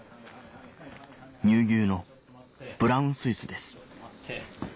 乳牛のブラウンスイスです